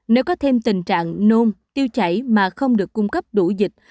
nếu có thêm tình trạng nôm tiêu chảy mà không được cung cấp đủ dịch